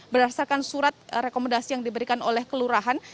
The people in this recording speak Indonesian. berdasarkan surat rekomendasi yang diberikan oleh kelurahan